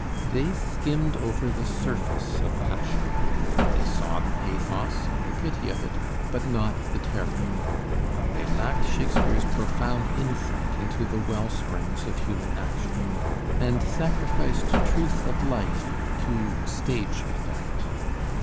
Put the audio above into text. They skimmed over the surface of passion, they saw the pathos and the pity of it but not the terror; they lacked Shakespeare's profound insight into the well springs of human action, and sacrificed truth of life to stage effect.